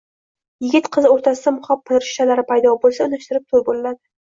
yigit-qiz o’rtasida muhabbat rishtalari paydo bo’lsa, unashtirilib to’y bo’ladi.